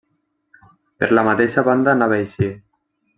Per la mateixa banda anava a eixir